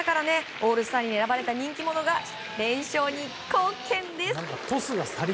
オールスターに選ばれた人気者連勝に貢献です。